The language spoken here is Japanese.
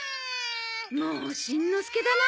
もうしんのすけだな！